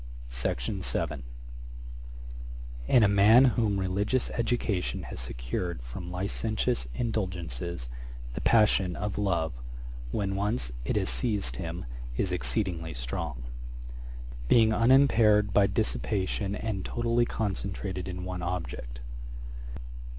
Ætat 25.] In a man whom religious education has secured from licentious indulgences, the passion of love, when once it has seized him, is exceedingly strong; being unimpaired by dissipation, and totally concentrated in one object.